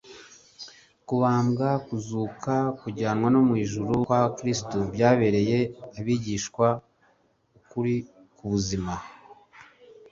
Kubambwa, kuzuka no kujyanwa mu ijuru kwa Kristo byabereye abigishwa ukuri kuzima.